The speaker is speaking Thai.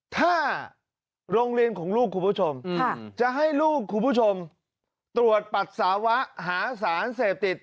ถ้าโรงเรียนของลูกคุณผู้ชมจะให้ลูกคุณผู้ชมตรวจปัสสาวะหาสารเสพติด